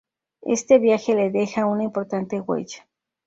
Este viaje le deja una importante huella.